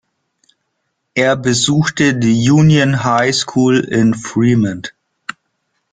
Er besuchte die "Union High School" in Fremont.